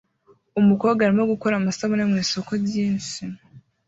Umukobwa arimo gukora amasabune mu isoko ryinshi